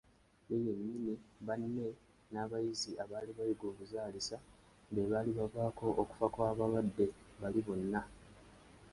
Ye yennyini, banne, n’abayizi abaali bayiga obuzaalisa be baali bavaako okufa kw’abalwadde bali bonna.